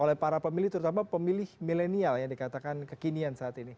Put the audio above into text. oleh para pemilih terutama pemilih milenial yang dikatakan kekinian saat ini